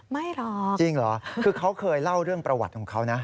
เหรอจริงเหรอคือเขาเคยเล่าเรื่องประวัติของเขานะ